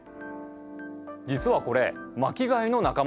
実はこれ巻き貝の仲間なんです。